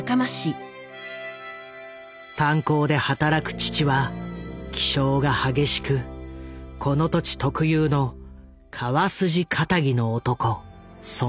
炭鉱で働く父は気性が激しくこの土地特有の川筋気質の男そのものだった。